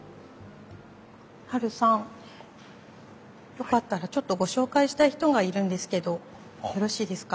よかったらちょっとご紹介したい人がいるんですけどよろしいですか？